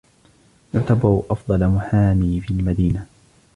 يعتبر أفضل محامي في المدينة.